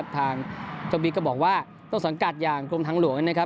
ทางเจ้าบิ๊กก็บอกว่าต้นสังกัดอย่างกรมทางหลวงนะครับ